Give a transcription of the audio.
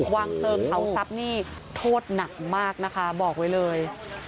วางเพลิงเผาทรัพย์นี่โทษหนักมากนะคะบอกไว้เลย